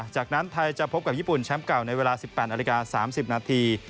จากนั้นไทยจะพบกับญี่ปุ่นแชมป์เก่าในเวลา๑๘นาฬิกา๓๐นาที